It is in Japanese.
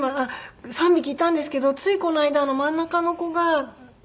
３匹いたんですけどついこの間真ん中の子が死んじゃって。